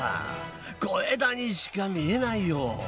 小枝にしか見えないよ。